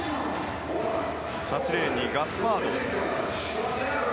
８レーンにガスパード。